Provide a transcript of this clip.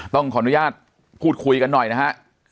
ต้องขออนุญาตพูดคุยกันหน่อยนะฮะ